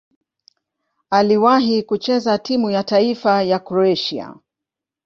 Aliwahi kucheza timu ya taifa ya Kroatia.